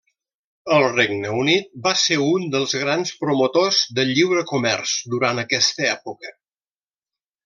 El Regne Unit va ser un dels grans promotors del lliure comerç durant aquesta època.